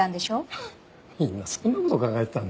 ハハみんなそんな事考えてたんだ。